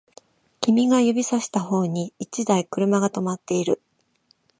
君が指差した方に一台車が止まっている